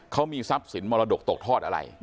เขามีทรัพย์สินมรดกตกทอดอะไร